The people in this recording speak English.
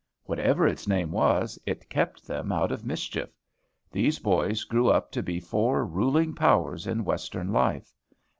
Whatever its name was, it kept them out of mischief. These boys grew up to be four ruling powers in Western life.